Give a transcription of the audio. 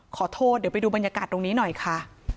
ขอโทษเดี๋ยวไปดูบรรยากาศตรงนี้หน่อยค่ะ